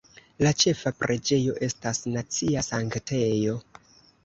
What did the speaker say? La ĉefa preĝejo estas nacia sanktejo.